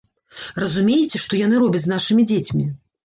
Разумееце, што яны робяць з нашымі дзецьмі?